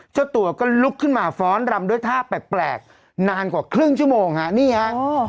เจ้าตัวก็ลุกขึ้นมาฟ้อนรำด้วยท่าแปลกนานกว่าครึ่งชั่วโมงฮะนี่ฮะ